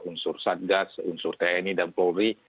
unsur satgas unsur tni dan polri